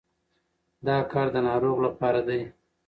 دا کار د ناروغ لپاره دی.